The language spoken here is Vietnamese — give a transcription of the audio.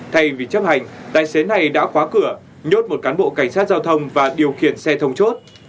thay vì chấp hành tài xế này đã khóa cửa nhốt một cán bộ cảnh sát giao thông và điều khiển xe thông chốt